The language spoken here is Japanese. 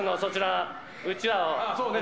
そうね